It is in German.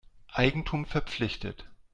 Eigentum verpflichtet.